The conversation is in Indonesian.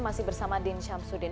masih bersama din syamsudin